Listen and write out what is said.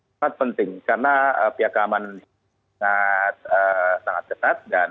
sangat penting karena pihak keamanan sangat sangat dekat dan